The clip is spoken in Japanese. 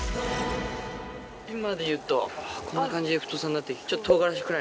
今でいうとこんな感じで太さになって。